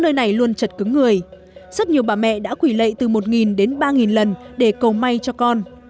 nơi này luôn chật cứng người rất nhiều bà mẹ đã quỷ lệ từ một đến ba lần để cầu may cho con